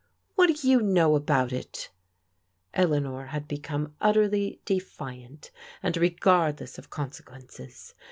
" What do you know about it ?" Eleanor had become utterly defiant and regardless of consequences.